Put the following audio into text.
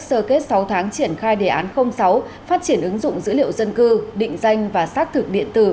sơ kết sáu tháng triển khai đề án sáu phát triển ứng dụng dữ liệu dân cư định danh và xác thực điện tử